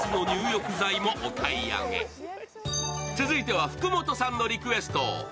続いては福本さんのリクエスト。